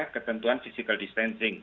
ketentuan physical distancing